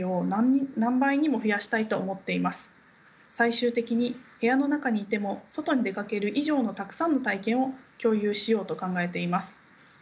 最終的に部屋の中にいても外に出かける以上のたくさんの体験を共有しようと考えています。